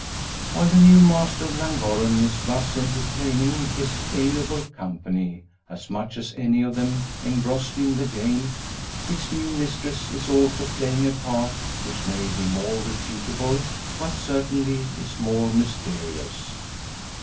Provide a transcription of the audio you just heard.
While the new master of Llangorren is thus entertaining his amiable company as much as any of them engrossed in the game its new mistress is also playing a part, which may be more reputable, but certainly is more mysterious.